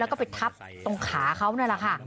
แล้วก็ไปทับตรงขาเขานั่นแหละค่ะ